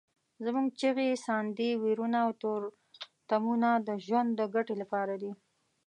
زموږ چیغې، ساندې، ویرونه او تورتمونه د ژوند د ګټې لپاره دي.